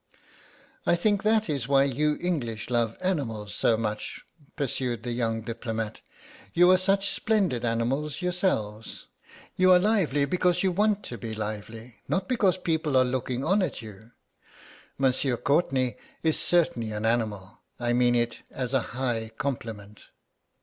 "I think that is why you English love animals so much," pursued the young diplomat; "you are such splendid animals yourselves. You are lively because you want to be lively, not because people are looking on at you. Monsieur Courtenay is certainly an animal. I mean it as a high compliment."